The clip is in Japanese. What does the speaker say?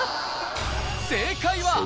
正解は。